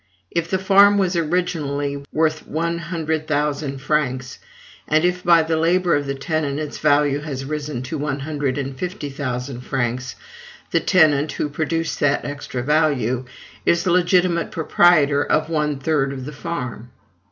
If the farm was originally worth one hundred thousand francs, and if by the labor of the tenant its value has risen to one hundred and fifty thousand francs, the tenant, who produced this extra value, is the legitimate proprietor of one third of the farm.